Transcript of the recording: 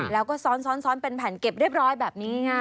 แล้วก็ซ้อนเป็นแผ่นเก็บเรียบร้อยแบบนี้ไง